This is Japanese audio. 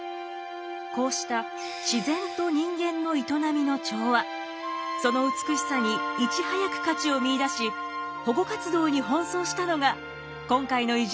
こうした自然と人間の営みの調和その美しさにいち早く価値を見いだし保護活動に奔走したのが今回の偉人